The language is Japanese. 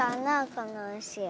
このうしは。